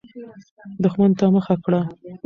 دښمن ته مخه کړه.